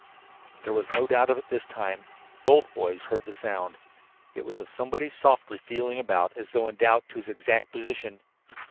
There was no doubt of it this time. Both boys heard the sound. It was of someone softly feeling about, as though in doubt as to his exact position.